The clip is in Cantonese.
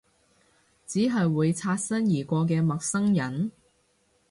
只係會擦身而過嘅陌生人？